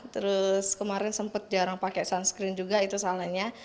terus kemarin sempat jarang pakai sunscreen juga itu salahnya